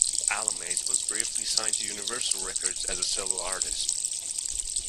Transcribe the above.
Alamaze was briefly signed to Universal Records as a solo artist.